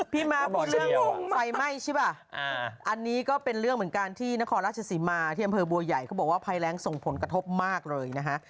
พี่ม้ามีเรื่องไฟไหม้ใช่ป่ะอันนี้ก็เป็นเรื่องเหมือนกันที่นครราชสีมาที่อำเภอบัวใหญ่เขาบอกว่าภัยแรงส่งผลกระทบมากเลยนะฮะ